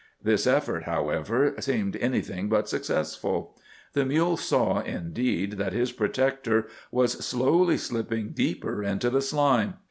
This effort, however, seemed anything but successful. The mule saw, indeed, that his protector was slowly slipping deeper into the slime.